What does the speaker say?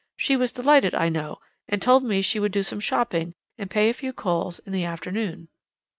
She was delighted, I know, and told me she would do some shopping, and pay a few calls in the afternoon.'